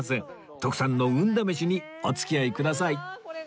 徳さんの運試しにお付き合いください